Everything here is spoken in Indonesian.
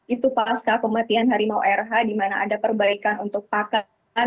itu pasca kematian harimau rh di mana ada perbaikan untuk pakaian